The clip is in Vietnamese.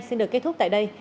xin được kết thúc tại đây